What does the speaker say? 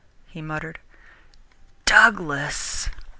he muttered. "Douglas!"